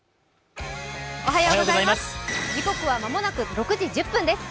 時刻はまもなく６時１０分です